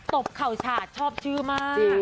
ตบเข่าฉาดชอบชื่อมาก